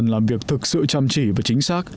tinh thần làm việc thực sự chăm chỉ và chính xác